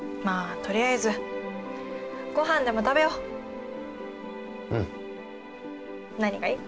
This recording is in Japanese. とりあえずご飯でも食べよううん何がいい？